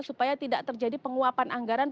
supaya tidak terjadi penguapan anggaran